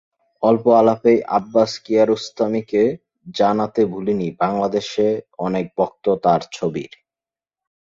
অল্প আলাপেই আব্বাস কিয়ারোস্তামিকে জানাতে ভুলিনি, বাংলাদেশে অনেক ভক্ত তাঁর ছবির।